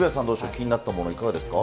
気になったもの、いかがですか？